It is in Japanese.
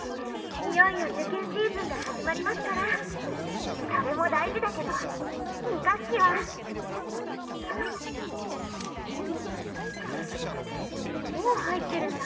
いよいよ受験シーズンが始まりますからそれも大事だけど２学期はあっもう入ってるんだ